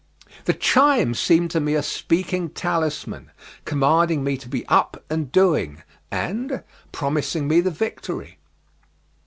The chime seemed to me a speaking talisman, commanding me to be up and doing, and promising me the victory.